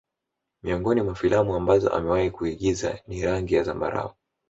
Miongoni mwa filamu ambazo amewahi kuigiza ni rangi ya zambarau